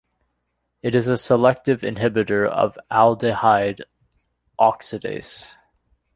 It is a selective inhibitor of aldehyde oxidase.